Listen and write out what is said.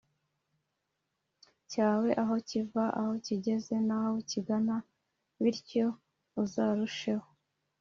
cyawe aho kiva, aho kigeze n'aho kigana. bityo uzarusheho